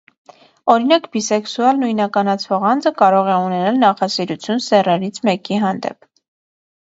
Օրինակ՝ բիսեքսուալ նույնականացվող անձը կարող է ունենալ նախասիրություն սեռերից մեկի հանդեպ։